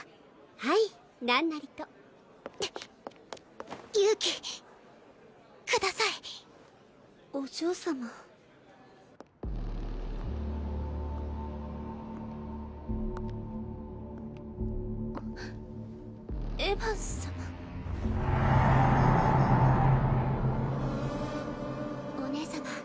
はい何なりと勇気くださいお嬢様エヴァン様お姉様